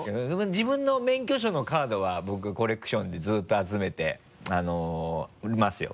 自分の免許証のカードは僕コレクションでずっと集めていますよ。